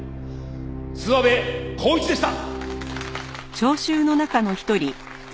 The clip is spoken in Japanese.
「諏訪部孝一でした」